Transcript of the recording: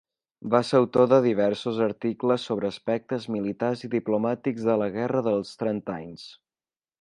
Va ser autor de diversos articles sobre aspectes militars i diplomàtics de la Guerra dels Trenta Anys.